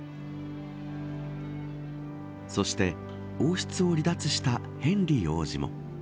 そして、王室を離脱したヘンリー王子も。